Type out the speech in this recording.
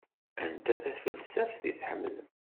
Anta tafelsaft i tḥemmlem?